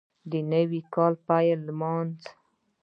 د نوي کال پیل یې لمانځه